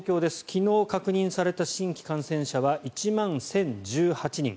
昨日、確認された新規感染者は１万１０１８人。